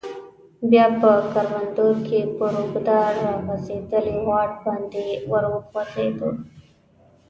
بیا په کروندو کې پر اوږده راغځیدلي واټ باندې ور وخوځیدو.